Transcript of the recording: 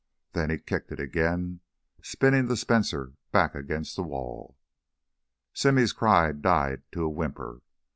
Then he kicked it again, spinning the Spencer back against the wall. Simmy's cry died to a whimper.